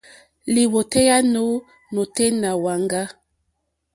Lìwòtéyá nù nôténá wàŋgá.